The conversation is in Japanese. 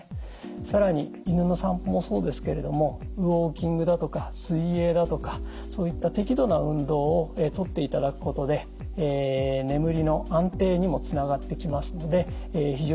更に犬の散歩もそうですけれどもウォーキングだとか水泳だとかそういった適度な運動をとっていただくことで眠りの安定にもつながってきますので非常によいルーティンだと思います。